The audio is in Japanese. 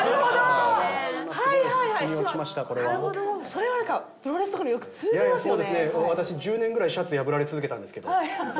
それはなんかプロレスとかによく通じますよね。